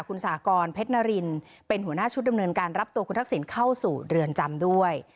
คุณสากรเพชรนารินเป็นหัวหน้าชุดดำเนินการรับตัวคุณทักษิณเข้าสู่เรือนจำด้วย